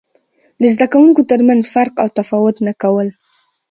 د زده کوونکو ترمنځ فرق او تفاوت نه کول.